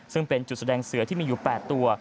ซึ่งเป็นจุดแสดงเสือที่มีอยู่๘ตัว